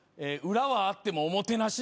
「裏はあってもおもてなし」